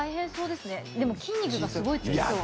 でも、筋肉がすごいつきそう。